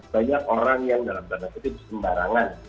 banyak orang yang dalam tanda saya itu sembarangan